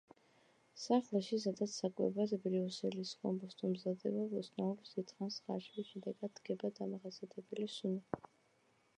სახლში სადაც საკვებად ბრიუსელის კომბოსტო მზადდება, ბოსტნეულის დიდხანს ხარშვის შედეგად დგება დამახასიათებელი სუნი.